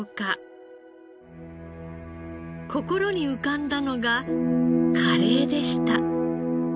心に浮かんだのがカレーでした。